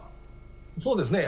そうですね。